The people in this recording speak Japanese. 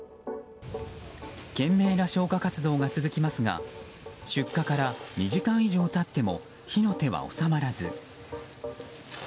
懸命な消火活動が続きますが出火から２時間以上経っても火の手は収まらず。